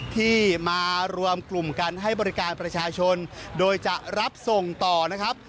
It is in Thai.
ที่มารวมกลุ่มกันให้บริการประชาชนโดยจะรับส่งต่อนะครับ